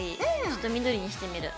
ちょっと緑にしてみる。